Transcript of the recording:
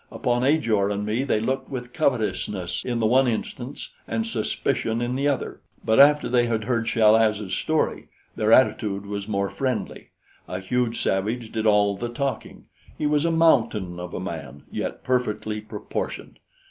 Upon Ajor and me they looked with covetousness in the one instance and suspicion in the other; but after they had heard Chal az's story, their attitude was more friendly. A huge savage did all the talking. He was a mountain of a man, yet perfectly proportioned.